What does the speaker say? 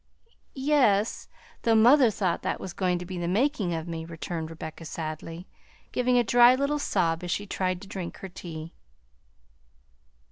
"Ye es; though mother thought that was going to be the making of me," returned Rebecca sadly, giving a dry little sob as she tried to drink her tea.